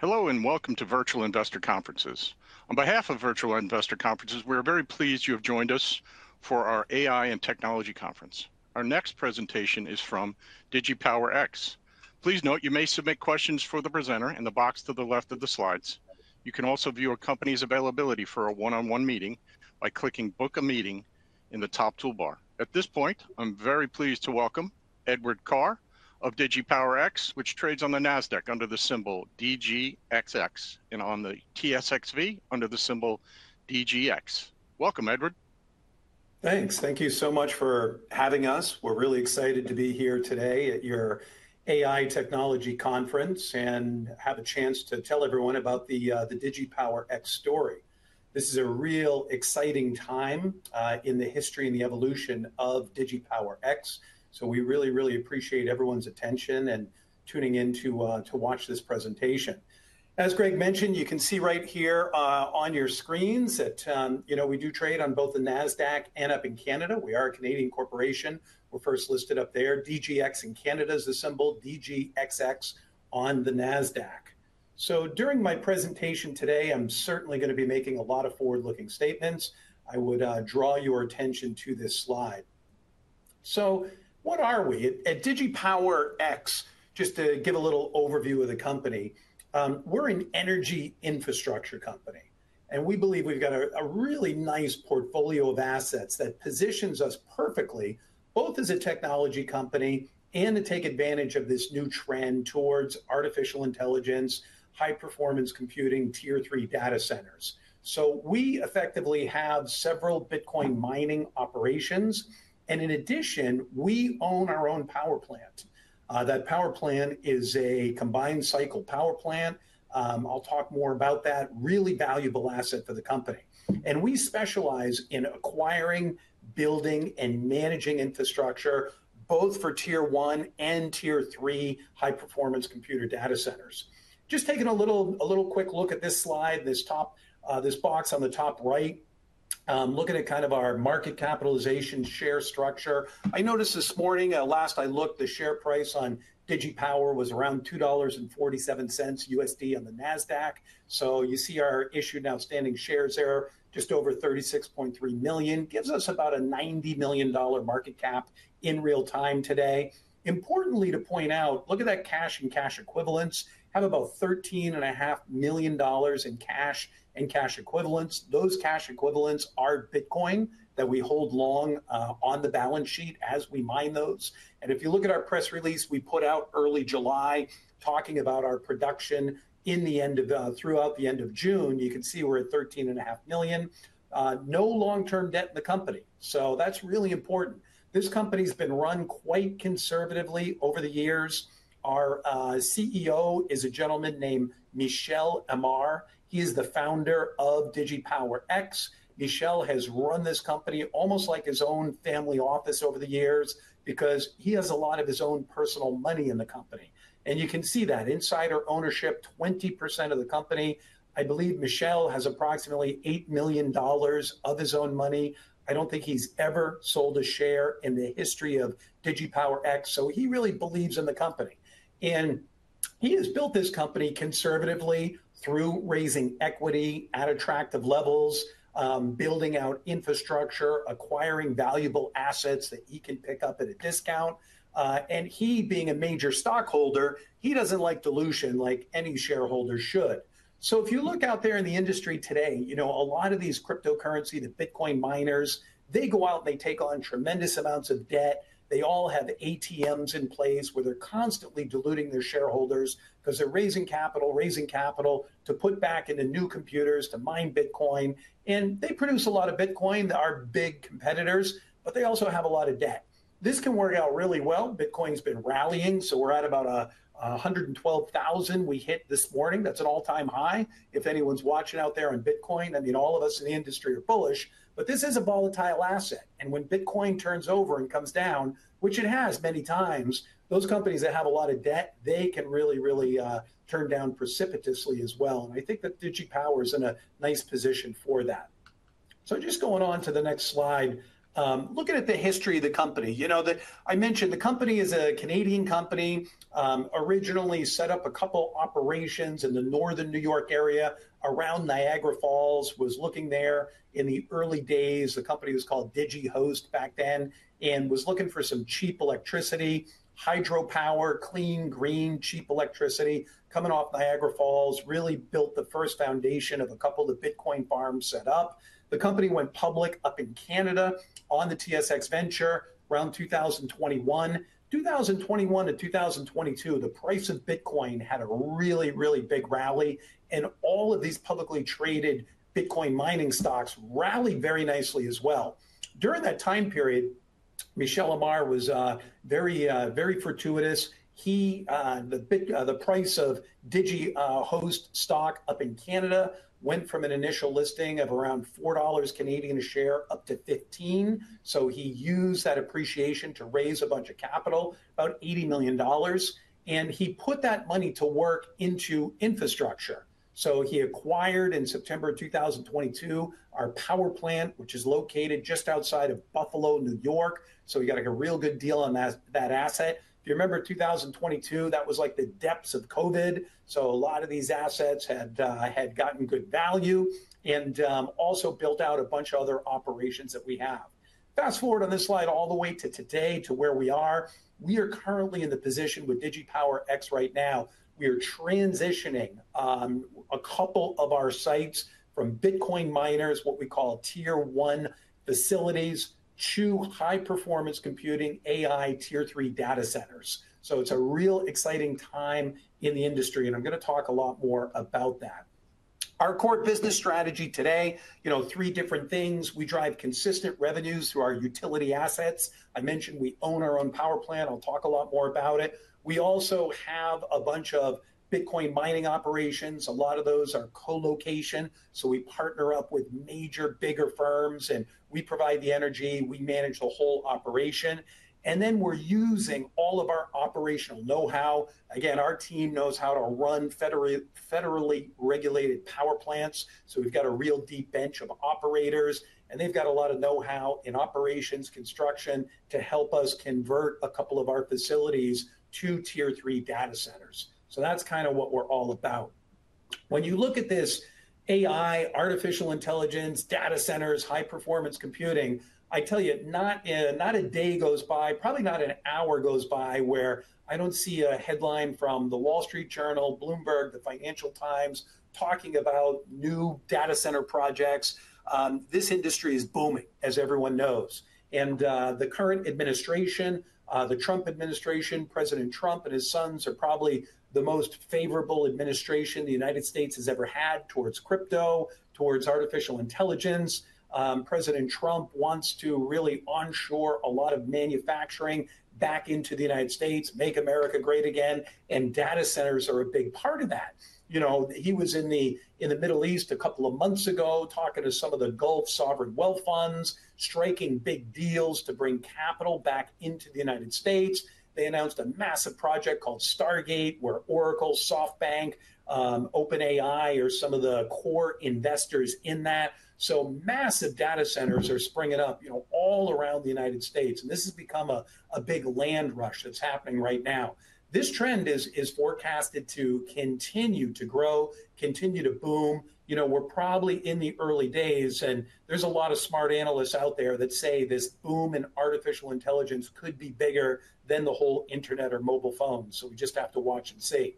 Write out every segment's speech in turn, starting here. Hello and welcome to Virtual Investor Conferences. On behalf of Virtual Investor Conferences, we are very pleased you have joined us for our AI and Technology Conference. Our next presentation is from Digi Power X. Please note you may submit questions for the presenter in the box to the left of the slides. You can also view a company's availability for a one-on-one meeting by clicking "Book a Meeting" in the top toolbar. At this point, I'm very pleased to welcome Edward Karr of Digi Power X, which trades on the NASDAQ under the symbol DGXX and on the TSXV under the symbol DGX. Welcome, Edward. Thanks. Thank you so much for having us. We're really excited to be here today at your AI Technology Conference and have a chance to tell everyone about the Digi Power X story. This is a real exciting time in the history and the evolution of Digi Power X. We really, really appreciate everyone's attention and tuning in to watch this presentation. As Greg mentioned, you can see right here on your screens that, you know, we do trade on both the NASDAQ and up in Canada. We are a Canadian corporation. We're first listed up there. DGX in Canada is the symbol, DGXX on the NASDAQ. During my presentation today, I'm certainly going to be making a lot of forward-looking statements. I would draw your attention to this slide. What are we? At Digi Power X, just to give a little overview of the company, we're an energy infrastructure company and we believe we've got a really nice portfolio of assets that positions us perfectly both as a technology company and to take advantage of this new trend towards artificial intelligence, high-performance computing, tier three data centers. We effectively have several Bitcoin mining operations. In addition, we own our own power plant. That power plant is a combined cycle power plant. I'll talk more about that. Really valuable asset for the company. We specialize in acquiring, building, and managing infrastructure both for tier one and tier three high-performance computer data centers. Just taking a little quick look at this slide, this box on the top right, looking at kind of our market capitalization share structure. I noticed this morning at last I looked, the share price on Digi Power X was around $2.47 USD on the NASDAQ. You see our issued outstanding shares are just over 36.3 million. It gives us about a $90 million market cap in real time today. Importantly to point out, look at that cash and cash equivalents. Have about $13.5 million in cash and cash equivalents. Those cash equivalents are Bitcoin that we hold long on the balance sheet as we mine those. If you look at our press release we put out early July talking about our production in the end of, throughout the end of June, you could see we're at $13.5 million. No long-term debt in the company. That's really important. This company's been run quite conservatively over the years. Our CEO is a gentleman named Michel Amar. He is the founder of Digi Power X. Michel has run this company almost like his own family office over the years because he has a lot of his own personal money in the company. You can see that insider ownership, 20% of the company. I believe Michel has approximately $8 million of his own money. I don't think he's ever sold a share in the history of Digi Power X. He really believes in the company. He has built this company conservatively through raising equity at attractive levels, building out infrastructure, acquiring valuable assets that he can pick up at a discount. He, being a major stockholder, doesn't like dilution like any shareholder should. If you look out there in the industry today, a lot of these cryptocurrency, the Bitcoin miners, they go out and they take on tremendous amounts of debt. They all have ATMs in place where they're constantly diluting their shareholders because they're raising capital, raising capital to put back into new computers to mine Bitcoin. They produce a lot of Bitcoin that are big competitors, but they also have a lot of debt. This can work out really well. Bitcoin's been rallying. We're at about $112,000 we hit this morning. That's an all-time high. If anyone's watching out there on Bitcoin, I mean, all of us in the industry are bullish. This is a volatile asset. When Bitcoin turns over and comes down, which it has many times, those companies that have a lot of debt, they can really, really turn down precipitously as well. I think that Digi Power X is in a nice position for that. Just going on to the next slide, looking at the history of the company, I mentioned the company is a Canadian company, originally set up a couple of operations in the northern New York area around Niagara Falls, was looking there in the early days. The company was called Digi Host back then and was looking for some cheap electricity, hydropower, clean, green, cheap electricity coming off Niagara Falls, really built the first foundation of a couple of the Bitcoin farms set up. The company went public up in Canada on the TSX Venture around 2021. 2021 and 2022, the price of Bitcoin had a really, really big rally. All of these publicly traded Bitcoin mining stocks rallied very nicely as well. During that time period, Michel Amar was very, very fortuitous. The price of Digi Host stock up in Canada went from an initial listing of around 4 Canadian dollars Canadian a share up to 15. He used that appreciation to raise a bunch of capital, about $80 million. He put that money to work into infrastructure. He acquired in September 2022 our power plant, which is located just outside of Buffalo, New York. He got a real good deal on that asset. If you remember 2022, that was like the depths of COVID. A lot of these assets had gotten good value and also built out a bunch of other operations that we have. Fast forward on this slide all the way to today to where we are. We are currently in the position with Digi Power X right now. We are transitioning a couple of our sites from Bitcoin miners, what we call tier one facilities, to high-performance computing, AI tier three data centers. It's a real exciting time in the industry. I'm going to talk a lot more about that. Our core business strategy today, you know, three different things. We drive consistent revenues through our utility assets. I mentioned we own our own power plant. I'll talk a lot more about it. We also have a bunch of Bitcoin mining operations. A lot of those are co-location. We partner up with major bigger firms and we provide the energy, we manage the whole operation. We're using all of our operational know-how. Again, our team knows how to run federally regulated power plants. We've got a real deep bench of operators and they've got a lot of know-how in operations, construction to help us convert a couple of our facilities to tier three data centers. That's kind of what we're all about. When you look at this AI, artificial intelligence, data centers, high-performance computing, I tell you, not a day goes by, probably not an hour goes by where I don't see a headline from The Wall Street Journal, Bloomberg, the Financial Times talking about new data center projects. This industry is booming, as everyone knows. The current administration, the Trump administration, President Trump and his sons are probably the most favorable administration the United States has ever had towards crypto, towards artificial intelligence. President Trump wants to really onshore a lot of manufacturing back into the United States, make America great again. Data centers are a big part of that. He was in the Middle East a couple of months ago talking to some of the Gulf sovereign wealth funds, striking big deals to bring capital back into the United States. They announced a massive project called Stargate where Oracle, SoftBank, OpenAI are some of the core investors in that. Massive data centers are springing up all around the United States. This has become a big land rush that's happening right now. This trend is forecasted to continue to grow, continue to boom. We're probably in the early days and there are a lot of smart analysts out there that say this boom in artificial intelligence could be bigger than the whole internet or mobile phones. We just have to watch and see.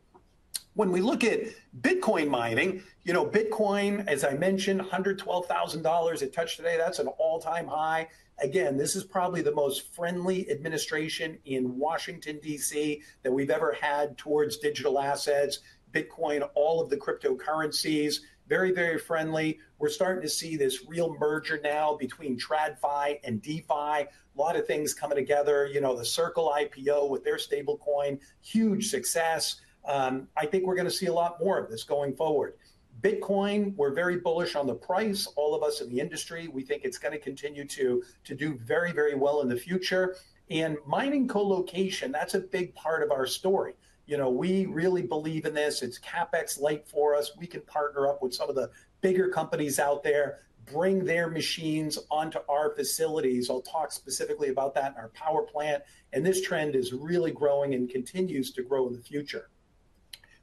When we look at Bitcoin mining, Bitcoin, as I mentioned, $112,000 it touched today. That's an all-time high. This is probably the most friendly administration in Washington, D.C. that we've ever had towards digital assets. Bitcoin, all of the cryptocurrencies, very, very friendly. We're starting to see this real merger now between TradFi and DeFi. A lot of things coming together, the Circle IPO with their stablecoin, huge success. I think we're going to see a lot more of this going forward. Bitcoin, we're very bullish on the price. All of us in the industry, we think it's going to continue to do very, very well in the future. Mining co-location, that's a big part of our story. We really believe in this. It's CapEx-like for us. We can partner up with some of the bigger companies out there, bring their machines onto our facilities. I'll talk specifically about that in our power plant. This trend is really growing and continues to grow in the future.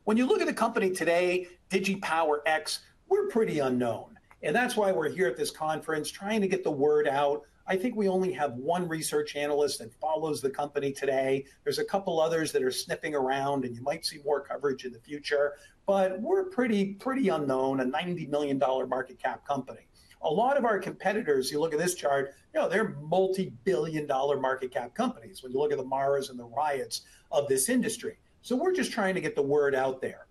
When you look at the company today, Digi Power X, we're pretty unknown. That's why we're here at this conference trying to get the word out. I think we only have one research analyst that follows the company today. There are a couple others that are sniffing around and you might see more coverage in the future. We're pretty, pretty unknown, a $90 million market cap company. A lot of our competitors, you look at this chart, they're multi-billion dollar market cap companies when you look at the maras and the riots of this industry. We're just trying to get the word out there.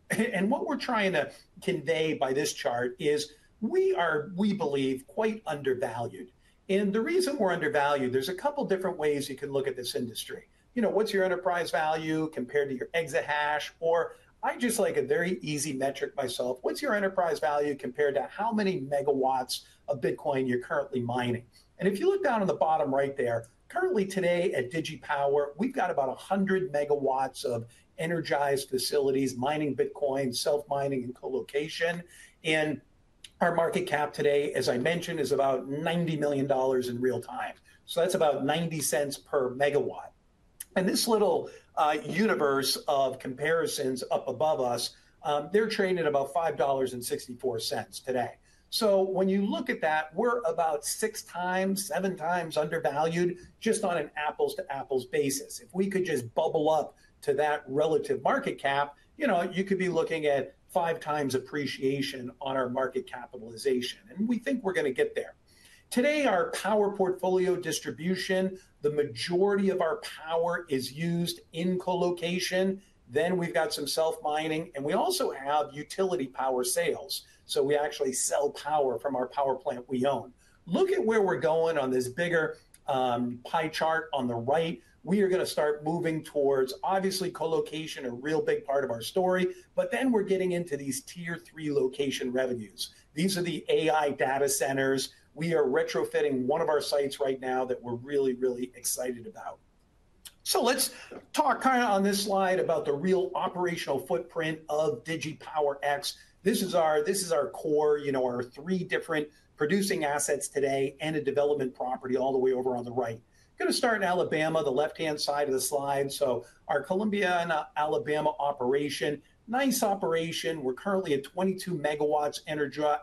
What we're trying to convey by this chart is we are, we believe, quite undervalued. The reason we're undervalued, there's a couple of different ways you can look at this industry. What's your enterprise value compared to your exahash? I just like a very easy metric myself. What's your enterprise value compared to how many MW of Bitcoin you're currently mining? If you look down on the bottom right there, currently today at Digi PowerMW, we've got about 100 MW of energized facilities mining Bitcoin, self-mining and co-location. Our market cap today, as I mentioned, is about $90 million in real time. That's about $0.90 per MW. This little universe of comparisons up above us, they're trading at about $5.64 today. When you look at that, we're about six times, seven times undervalued just on an apples-to-apples basis. If we could just bubble up to that relative market cap, you could be looking at five times appreciation on our market capitalization. We think we're going to get there. Today, our power portfolio distribution, the majority of our power is used in co-location. Then we've got some self-mining and we also have utility power sales. We actually sell power from our power plant we own. Look at where we're going on this bigger pie chart on the right. We are going to start moving towards, obviously, co-location, a real big part of our story. We're getting into these tier three location revenues. These are the AI data centers. We are retrofitting one of our sites right now that we're really, really excited about. Let's talk kind of on this slide about the real operational footprint of Digi Power X. This is our core, our three different producing assets today and a development property all the way over on the right. Going to start in Alabama, the left-hand side of the slide. Our Columbia, Alabama operation, nice operation. We're currently at 22 MW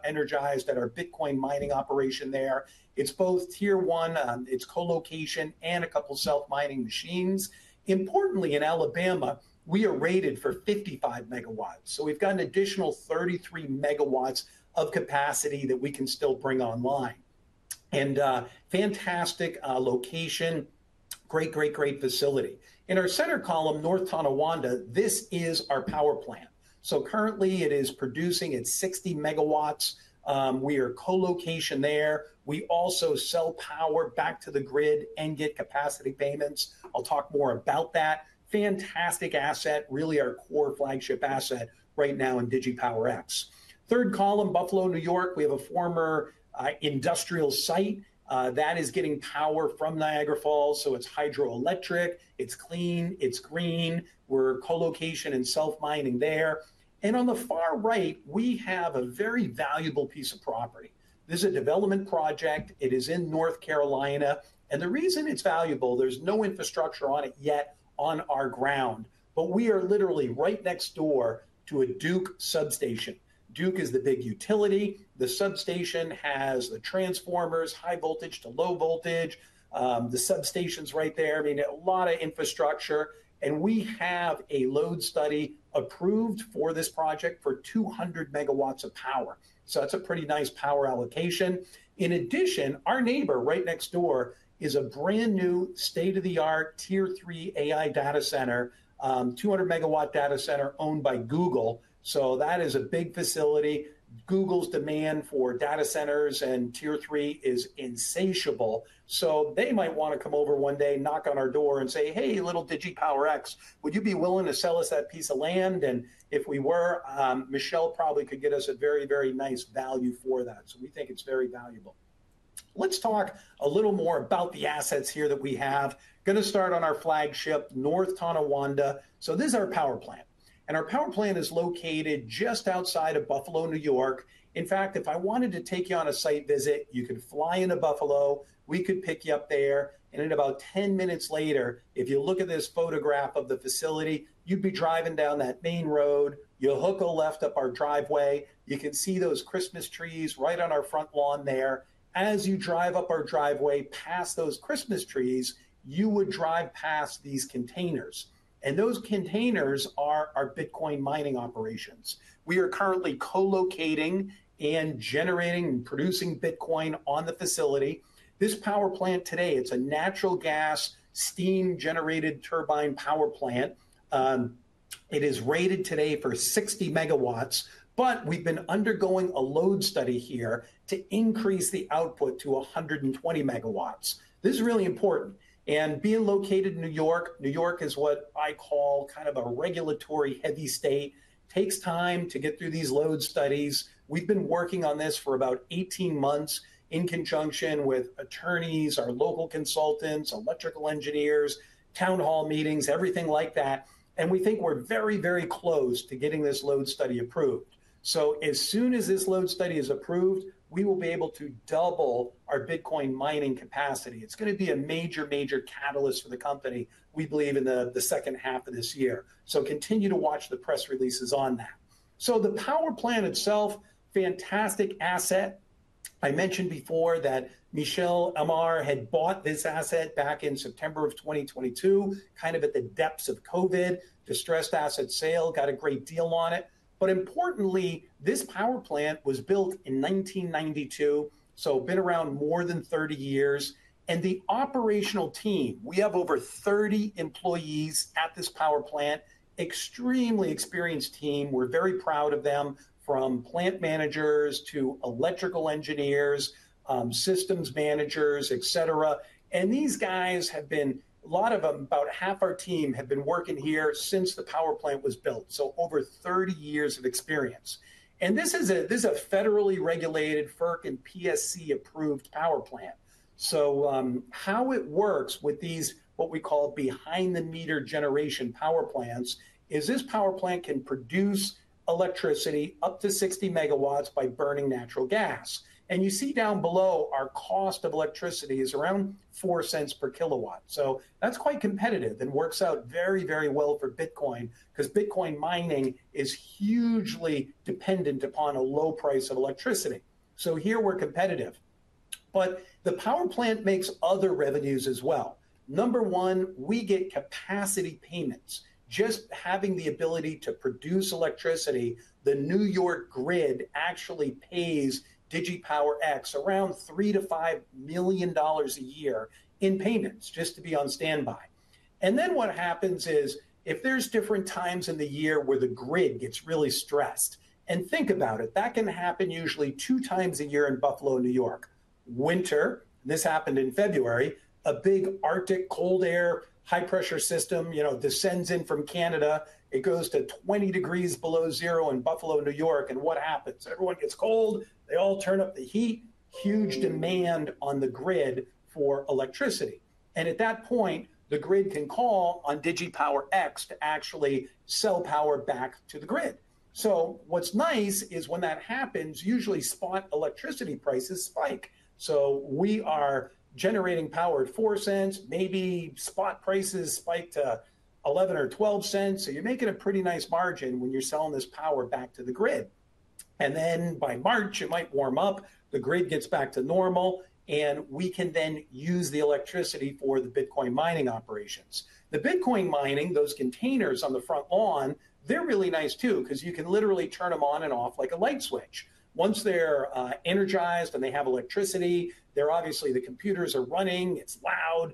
energized at our Bitcoin mining operation there. It's both tier one, it's co-location and a couple of self-mining machines. Importantly, in Alabama, we are rated for 55 MW. We've got an additional 33 MW of capacity that we can still bring online. Fantastic location, great, great, great facility. In our center column, North Tonawanda, this is our power plant. Currently it is producing at 60 MW. We are co-location there. We also sell power back to the grid and get capacity payments. I'll talk more about that. Fantastic asset, really our core flagship asset right now in Digi Power X. Third column, Buffalo, New York. We have a former industrial site that is getting power from Niagara Falls. It's hydroelectric, it's clean, it's green. We're co-location and self-mining there. On the far right, we have a very valuable piece of property. This is a development project. It is in North Carolina. The reason it's valuable, there's no infrastructure on it yet on our ground. We are literally right next door to a Duke substation. Duke is the big utility. The substation has the transformers, high voltage to low voltage. The substation's right there. There is a lot of infrastructure. We have a load study approved for this project for 200 MW of power. That's a pretty nice power allocation. In addition, our neighbor right next door is a brand new state-of-the-art tier three AI data center, 200 MW data center owned by Google. That is a big facility. Google's demand for data centers and tier three is insatiable. They might want to come over one day, knock on our door and say, "Hey, little Digi Power X, would you be willing to sell us that piece of land?" If we were, Michel probably could get us a very, very nice value for that. We think it's very valuable. Let's talk a little more about the assets here that we have. Going to start on our flagship, North Tonawanda. This is our power plant. Our power plant is located just outside of Buffalo, New York. In fact, if I wanted to take you on a site visit, you could fly into Buffalo. We could pick you up there. In about 10 minutes later, if you look at this photograph of the facility, you'd be driving down that main road. You'll hook a left up our driveway. You can see those Christmas trees right on our front lawn there. As you drive up our driveway past those Christmas trees, you would drive past these containers. Those containers are our Bitcoin mining operations. We are currently co-locating and generating and producing Bitcoin on the facility. This power plant today, it's a natural gas steam-generated turbine power plant. It is rated today for 60 MW. We've been undergoing a load study here to increase the output to 120 MW. This is really important. Being located in New York, New York is what I call kind of a regulatory heavy state, takes time to get through these load studies. We've been working on this for about 18 months in conjunction with attorneys, our local consultants, electrical engineers, town hall meetings, everything like that. We think we're very, very close to getting this load study approved. As soon as this load study is approved, we will be able to double our Bitcoin mining capacity. It's going to be a major, major catalyst for the company. We believe in the second half of this year. Continue to watch the press releases on that. The power plant itself is a fantastic asset. I mentioned before that Michel Amar had bought this asset back in September of 2022, kind of at the depths of COVID, distressed asset sale, got a great deal on it. Importantly, this power plant was built in 1992, so it's been around more than 30 years. The operational team, we have over 30 employees at this power plant, extremely experienced team. We're very proud of them, from Plant Managers to Electrical Engineers, Systems Managers, et cetera. These guys have been, a lot of them, about half our team have been working here since the power plant was built. Over 30 years of experience. This is a federally regulated, FERC and PSC approved power plant. How it works with these, what we call behind-the-meter generation power plants, is this power plant can produce electricity up to 60 MW by burning natural gas. You see down below our cost of electricity is around $0.04 per kW. That's quite competitive and works out very, very well for Bitcoin because Bitcoin mining is hugely dependent upon a low price of electricity. Here we're competitive. The power plant makes other revenues as well. Number one, we get capacity payments. Just having the ability to produce electricity, the New York grid actually pays Digi Power X around $3 million to $5 million a year in payments just to be on standby. What happens is if there's different times in the year where the grid gets really stressed. Think about it, that can happen usually two times a year in Buffalo, New York. Winter, this happened in February, a big Arctic cold air, high-pressure system descends in from Canada. It goes to 20 degrees below zero in Buffalo, New York. What happens? Everyone gets cold. They all turn up the heat. Huge demand on the grid for electricity. At that point, the grid can call on Digi Power X to actually sell power back to the grid. What's nice is when that happens, usually spot electricity prices spike. We are generating power at $0.04, maybe spot prices spike to $0.11 or $0.12. You're making a pretty nice margin when you're selling this power back to the grid. By March, it might warm up, the grid gets back to normal, and we can then use the electricity for the Bitcoin mining operations. The Bitcoin mining, those containers on the front lawn, they're really nice too because you can literally turn them on and off like a light switch. Once they're energized and they have electricity, they're obviously, the computers are running, it's loud.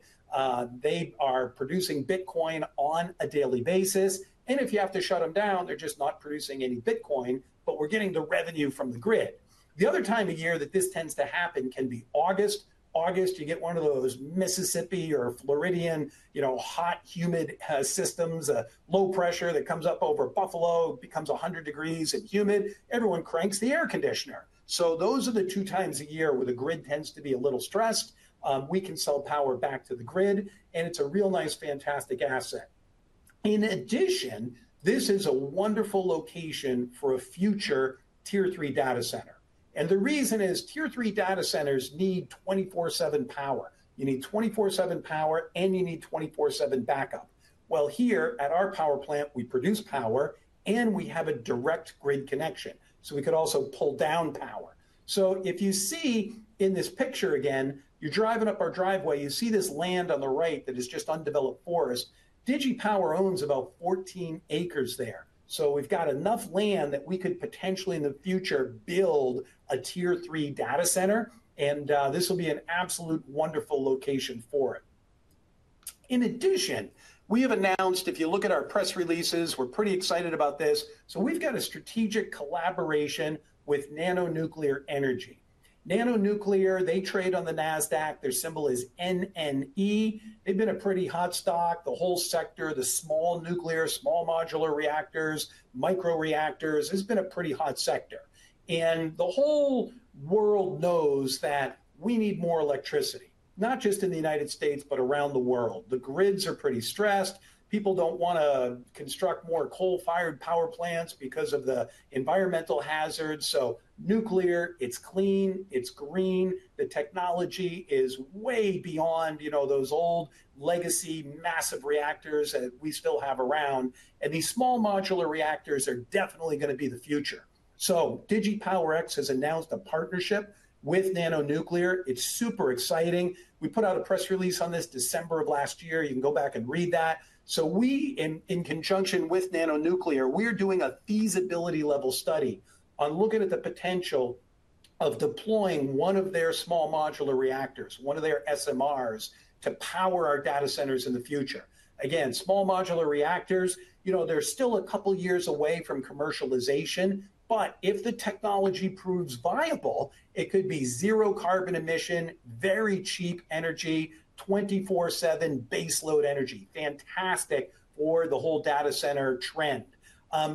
They are producing Bitcoin on a daily basis. If you have to shut them down, they're just not producing any Bitcoin, but we're getting the revenue from the grid. The other time of year that this tends to happen can be August. August, you get one of those Mississippi or Floridian, you know, hot, humid systems, low pressure that comes up over Buffalo, becomes 100 degrees and humid. Everyone cranks the air conditioner. Those are the two times a year where the grid tends to be a little stressed. We can sell power back to the grid, and it's a real nice, fantastic asset. In addition, this is a wonderful location for a future tier three data center. The reason is tier three data centers need 24/7 power. You need 24/7 power, and you need 24/7 backup. Here at our power plant, we produce power, and we have a direct grid connection. We could also pull down power. If you see in this picture again, you're driving up our driveway, you see this land on the right that is just undeveloped forest. Digi Power X owns about 14 acres there. We've got enough land that we could potentially in the future build a tier three data center. This will be an absolute wonderful location for it. In addition, we have announced, if you look at our press releases, we're pretty excited about this. We've got a strategic collaboration with NANO Nuclear Energy. NANO Nuclear, they trade on the NASDAQ, their symbol is NNE. They've been a pretty hot stock, the whole sector, the small nuclear, small modular reactors, micro reactors. It's been a pretty hot sector. The whole world knows that we need more electricity, not just in the United States, but around the world. The grids are pretty stressed. People don't want to construct more coal-fired power plants because of the environmental hazards. Nuclear, it's clean, it's green. The technology is way beyond, you know, those old legacy massive reactors that we still have around. These small modular reactors are definitely going to be the future. Digi Power X has announced a partnership with NANO Nuclear. It's super exciting. We put out a press release on this December of last year. You can go back and read that. We, in conjunction with NANO Nuclear, are doing a feasibility level study on looking at the potential of deploying one of their small modular reactors, one of their SMRs, to power our data centers in the future. Small modular reactors, you know, they're still a couple of years away from commercialization. If the technology proves viable, it could be zero carbon emission, very cheap energy, 24/7 baseload energy, fantastic for the whole data center trend.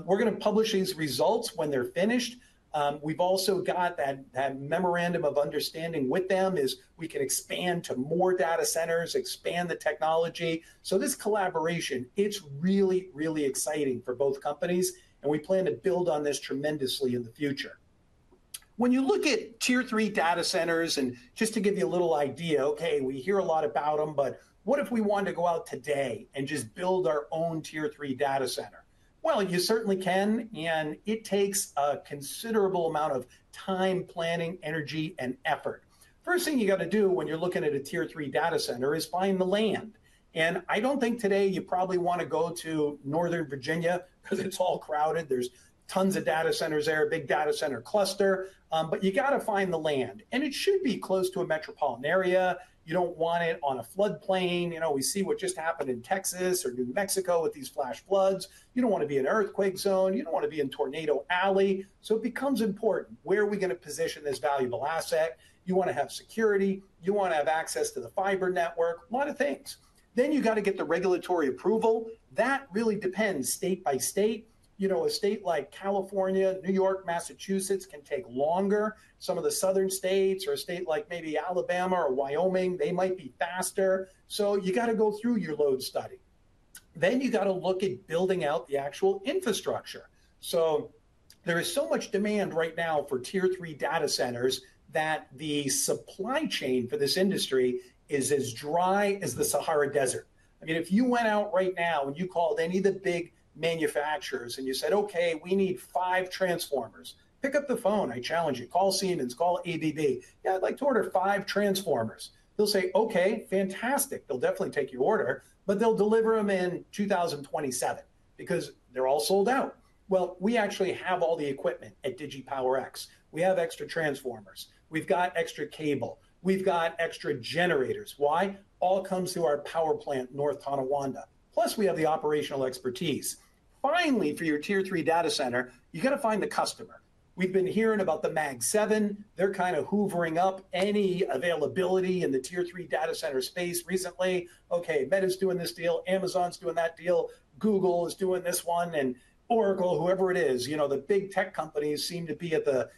We're going to publish these results when they're finished. We've also got that memorandum of understanding with them, as we could expand to more data centers, expand the technology. This collaboration is really, really exciting for both companies. We plan to build on this tremendously in the future. When you look at tier three data centers, just to give you a little idea, we hear a lot about them, but what if you wanted to go out today and just build your own tier three data center? You certainly can, and it takes a considerable amount of time, planning, energy, and effort. First thing you have to do when you're looking at a tier three data center is find the land. I don't think today you probably want to go to Northern Virginia because it's all crowded. There are tons of data centers there, a big data center cluster. You have to find the land, and it should be close to a metropolitan area. You don't want it on a flood plain. We see what just happened in Texas or New Mexico with these flash floods. You don't want to be in an earthquake zone. You don't want to be in Tornado Alley. It becomes important. Where are we going to position this valuable asset? You want to have security. You want to have access to the fiber network, a lot of things. You have to get the regulatory approval. That really depends state by state. A state like California, New York, Massachusetts can take longer. Some of the southern states or a state like maybe Alabama or Wyoming, they might be faster. You have to go through your load study. You have to look at building out the actual infrastructure. There is so much demand right now for tier three data centers that the supply chain for this industry is as dry as the Sahara Desert. I mean, if you went out right now and you called any of the big manufacturers and you said, "Okay, we need five transformers," pick up the phone, I challenge you, call Siemens, call ABB. Yeah, I'd like to order five transformers. They'll say, "Okay, fantastic." They'll definitely take your order, but they'll deliver them in 2027 because they're all sold out. We actually have all the equipment at Digi Power X. We have extra transformers. We've got extra cable. We've got extra generators. Why? All comes through our power plant, North Tonawanda. Plus, we have the operational expertise. Finally, for your tier three data center, you got to find the customer. We've been hearing about the Mag 7. They're kind of hoovering up any availability in the tier three data center space recently. Meta's doing this deal. Amazon's doing that deal. Google is doing this one. And Oracle, whoever it is, you know, the big tech companies seem to be at the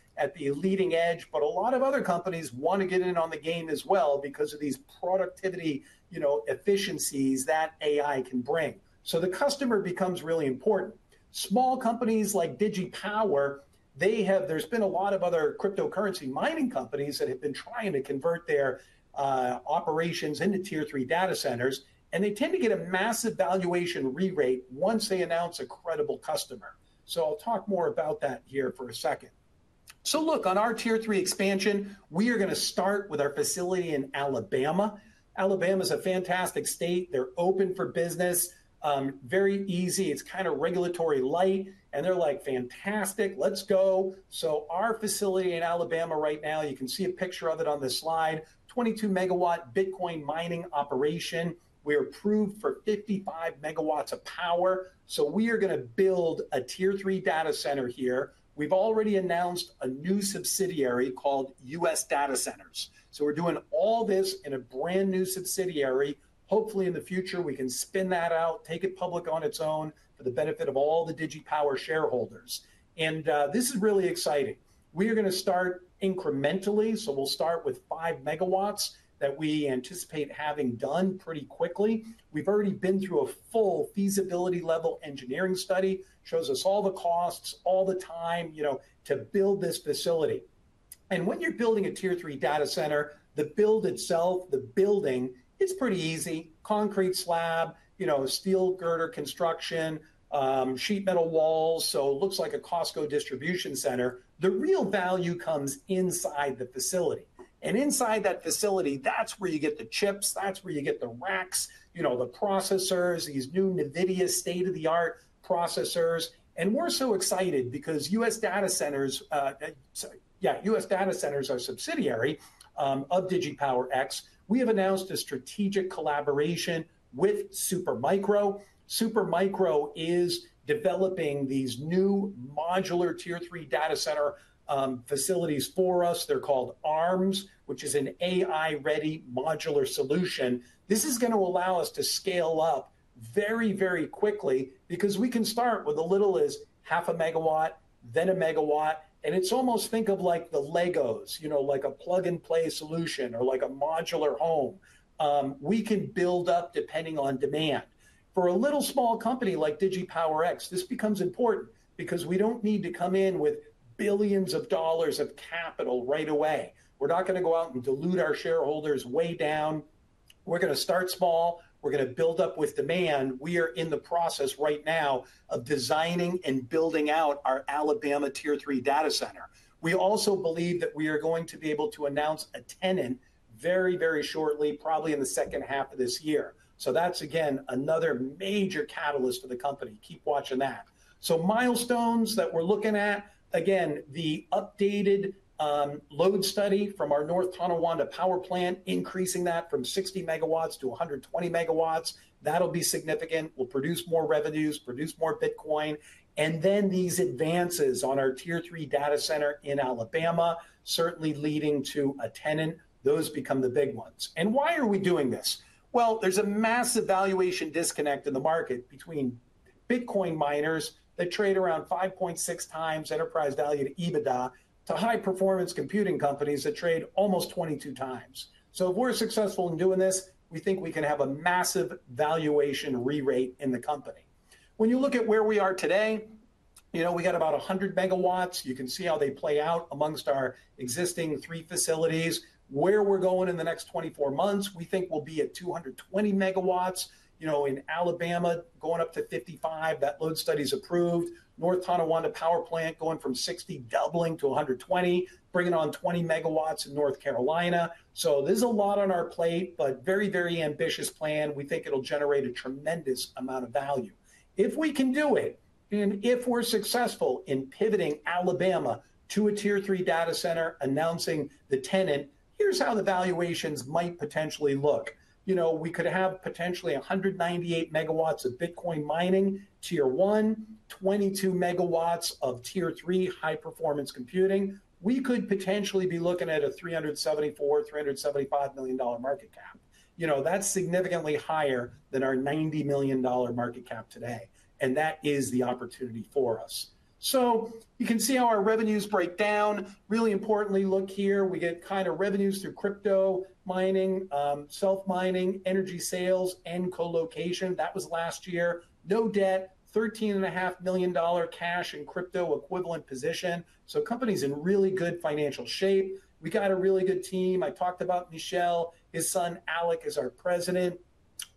leading edge, but a lot of other companies want to get in on the game as well because of these productivity efficiencies that AI can bring. The customer becomes really important. Small companies like Digi Power X, they have, there's been a lot of other cryptocurrency mining companies that have been trying to convert their operations into tier three data centers. They tend to get a massive valuation re-rate once they announce a credible customer. I'll talk more about that here for a second. On our tier three expansion, we are going to start with our facility in Alabama. Alabama's a fantastic state. They're open for business. Very easy. It's kind of regulatory light. They're like, "Fantastic. Let's go." Our facility in Alabama right now, you can see a picture of it on this slide, 22 MW Bitcoin mining operation. We're approved for 55 MW of power. We are going to build a tier three data center here. We've already announced a new subsidiary called US Data Centers. We're doing all this in a brand new subsidiary. Hopefully, in the future, we can spin that out, take it public on its own for the benefit of all the Digi Power X shareholders. This is really exciting. We are going to start incrementally. We'll start with five MW that we anticipate having done pretty quickly. We've already been through a full feasibility level engineering study. Shows us all the costs, all the time, you know, to build this facility. When you're building a tier three data center, the build itself, the building, it's pretty easy. Concrete slab, steel girder construction, sheet metal walls. It looks like a Costco distribution center. The real value comes inside the facility. Inside that facility, that's where you get the chips, the racks, the processors, these new NVIDIA state-of-the-art processors. We're so excited because US Data Centers, our subsidiary of Digi Power X, have announced a strategic collaboration with Supermicro. Supermicro is developing these new modular tier three data center facilities for us. They're called ARMS, which is an AI-ready modular solution. This is going to allow us to scale up very, very quickly because we can start with as little as half a MW, then a MW. It's almost like the Legos, like a plug-and-play solution or like a modular home. We can build up depending on demand. For a little small company like Digi Power X, this becomes important because we don't need to come in with billions of dollars of capital right away. We're not going to go out and dilute our shareholders way down. We're going to start small. We're going to build up with demand. We are in the process right now of designing and building out our Alabama tier three data center. We also believe that we are going to be able to announce a tenant very, very shortly, probably in the second half of this year. That's, again, another major catalyst for the company. Keep watching that. Milestones that we're looking at, again, the updated load study from our North Tonawanda power plant, increasing that from 60 MW-120 MW. That'll be significant. We'll produce more revenues, produce more Bitcoin. These advances on our tier three data center in Alabama, certainly leading to a tenant, those become the big ones. There is a massive valuation disconnect in the market between Bitcoin miners that trade around 5.6x enterprise value to EBITDA to high-performance computing companies that trade almost 22x. If we're successful in doing this, we think we can have a massive valuation re-rate in the company. When you look at where we are today, we got about 100 MW. You can see how they play out amongst our existing three facilities. Where we're going in the next 24 months, we think we'll be at 220 MW, you know, in Alabama, going up to 55. That load study is approved. North Tonawanda power plant going from 60, doubling to 120, bringing on 20 MW in North Carolina. There's a lot on our plate, very, very ambitious plan. We think it'll generate a tremendous amount of value. If we can do it, and if we're successful in pivoting Alabama to a tier three data center, announcing the tenant, here's how the valuations might potentially look. We could have potentially 198 MW of Bitcoin mining, tier one, 22 MW of tier three high-performance computing. We could potentially be looking at a $374 or $375 million market cap. That's significantly higher than our $90 million market cap today. That is the opportunity for us. You can see how our revenues break down. Really importantly, look here, we get kind of revenues through crypto mining, self-mining, energy sales, and co-location. That was last year. No debt, $13.5 million cash in crypto equivalent position. Company is in really good financial shape. We got a really good team. I talked about Michel, his son Alec is our President.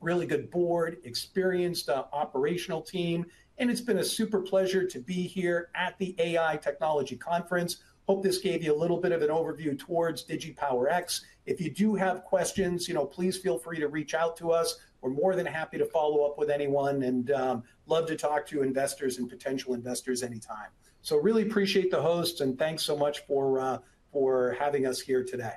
Really good board, experienced operational team. It's been a super pleasure to be here at the AI Technology Conference. Hope this gave you a little bit of an overview towards Digi Power X. If you do have questions, please feel free to reach out to us. We're more than happy to follow up with anyone and love to talk to investors and potential investors anytime. Really appreciate the hosts and thanks so much for having us here today.